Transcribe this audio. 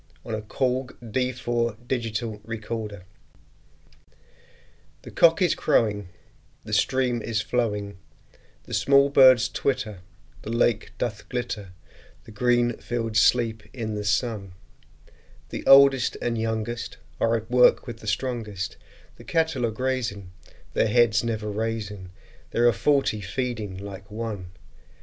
William Wordsworth Written in March THE cock is crowing, The stream is flowing, The small birds twitter, The lake doth glitter The green field sleeps in the sun; The oldest and youngest Are at work with the strongest; The cattle are grazing, Their heads never raising; There are forty feeding like one!